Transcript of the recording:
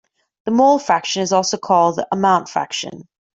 The mole fraction is also called the amount fraction.